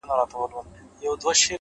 دا نجلۍ لکه شبنم درپسې ژاړي _